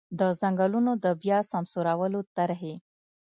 د ځنګلونو د بیا سمسورولو طرحې.